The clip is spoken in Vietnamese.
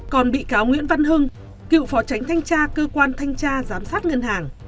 còn bị cáo nguyễn văn hưng cựu phó tránh thanh tra cơ quan thanh tra giám sát ngân hàng